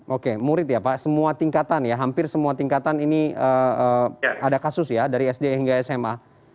oke murid ya pak semua tingkatan ya hampir semua tingkatan ini ada kasus ya dari sd hingga sma